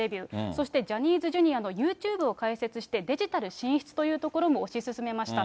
そして、ジャニーズＪｒのユーチューブを開設して、デジタル進出というところも推し進めました。